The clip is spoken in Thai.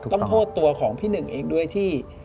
ต้องโทษตัวของพี่นึงเองด้วยที่